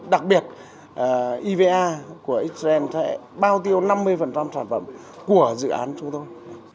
đặc biệt iva của israel sẽ bao tiêu năm mươi sản phẩm của dự án chúng tôi